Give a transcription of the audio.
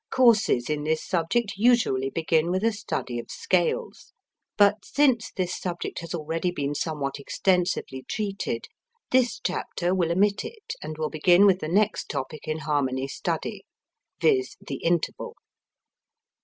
Courses in this subject usually begin with a study of scales, but since this subject has already been somewhat extensively treated, this chapter will omit it, and will begin with the next topic in harmony study, viz. the interval.)